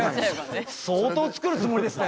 相当作るつもりですね。